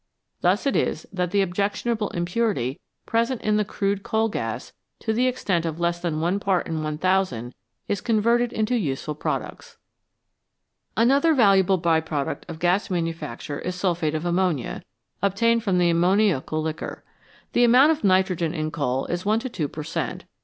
Thus it is that the objectionable impurity present in the crude coal gas to the extent of less than 1 part in 1000 is converted into useful products. Another valuable by product of gas manufacture is sulphate of ammonia, obtained from the ammoniacal liquor. The amount of nitrogen in coal is 1 to 2 per cent.